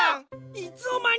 いつのまに！